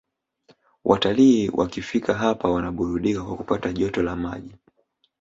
Watalii wakifika hapa wanaburudika kwa kupata joto la maji